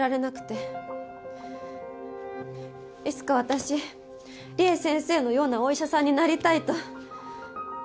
いつか私りえ先生のようなお医者さんになりたいと。